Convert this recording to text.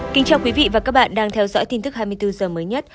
kính chào quý vị và các bạn đang theo dõi tin tức hai mươi bốn h mới nhất